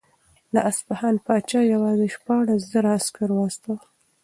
د اصفهان پاچا یوازې شپاړس زره عسکر واستول.